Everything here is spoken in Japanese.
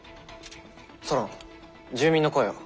「ソロン住民の声を」。